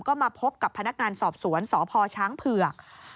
ก็มาพบกับพนักงานสอบสวนสพช้างเผือก